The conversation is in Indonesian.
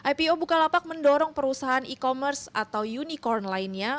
ipo bukalapak mendorong perusahaan e commerce atau unicorn lainnya